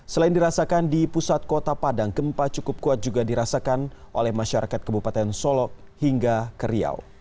selain dirasakan di pusat kota padang gempa cukup kuat juga dirasakan oleh masyarakat kabupaten solok hingga ke riau